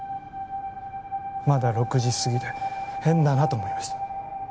まだ６時過ぎで変だなと思いました。